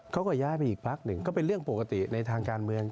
เขาก็ย้ายไปอีกพักหนึ่งก็เป็นเรื่องปกติในทางการเมือง